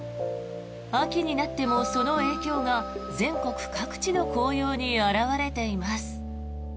秋になってもその影響が全国各地の紅葉に表れています。